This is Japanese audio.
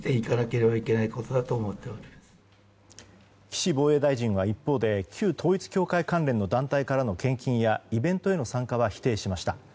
岸防衛大臣は一方で旧統一教会関連の団体からの献金やイベントへの参加は否定しました。